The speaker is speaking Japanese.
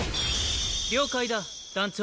了解だ団長。